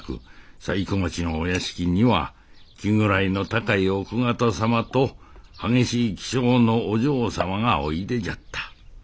細工町のお屋敷には気位の高い奥方様と激しい気性のお嬢様がおいでじゃった。